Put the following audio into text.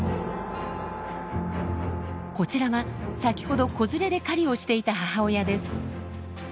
こちらは先ほど子連れで狩りをしていた母親です。